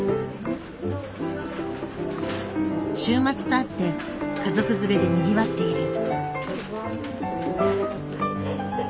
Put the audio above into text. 週末とあって家族連れでにぎわっている。